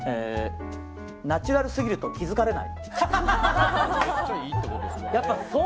ナチュラルすぎると気づかれない。